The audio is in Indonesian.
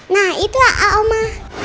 nah itu lah oma